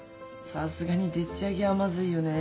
さすがにでっちあげはまずいよねえ。